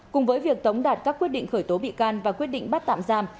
cùng với việc tống đạt các quyết định khởi tố bị can và quyết định bắt tạm giam